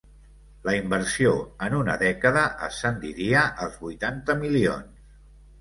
La inversió en una dècada ascendiria als vuitanta milions.